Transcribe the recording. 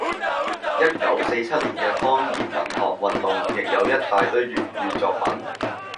一九四七年嘅方言文學運動亦有一大堆粵語作品